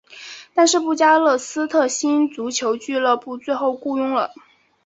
但是布加勒斯特星足球俱乐部最后雇佣了。